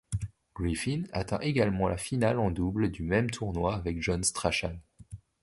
Griffin atteint également la finale en double du même tournoi avec John Strachan.